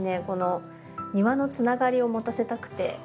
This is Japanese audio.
この庭のつながりを持たせたくて。